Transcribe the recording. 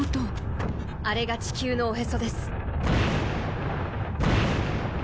あれが地球のおへそです。